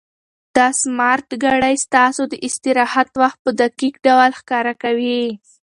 دا سمارټ ګړۍ ستاسو د استراحت وخت په دقیق ډول ښکاره کوي.